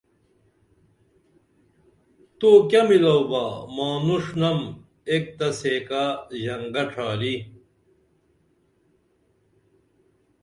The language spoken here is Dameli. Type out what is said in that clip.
تو کیہ میلوبا مانوݜنم ایک تہ سیکہ ژنگہ ڇھاری